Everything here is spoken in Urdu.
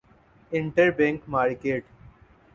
inter bank market